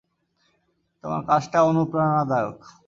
তোমার কাজটা অনুপ্রেরণাদায়ক।